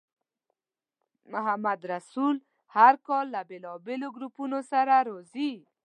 محمدرسول هر کال له بېلابېلو ګروپونو سره راځي.